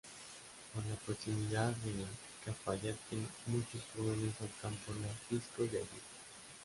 Por la proximidad de Cafayate, muchos jóvenes optan por las "discos" de allí.